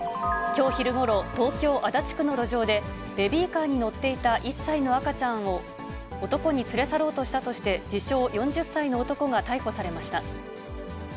きょう昼ごろ、東京・足立区の路上で、ベビーカーに乗っていた１歳の赤ちゃんを、男に連れ去ろうとしたとして、自称４０歳の男が逮捕されました。